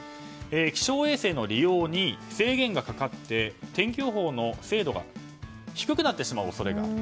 気象衛星の利用に制限がかかって天気予報の精度が低くなってしまう恐れがある。